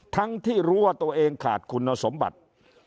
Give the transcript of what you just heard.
ทั้งที่รู้ว่าตัวเองขาดคุณสมบัติ